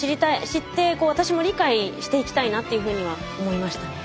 知って私も理解していきたいなというふうには思いましたね。